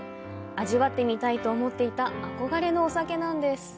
味わってみたいと思っていた憧れのお酒なんです！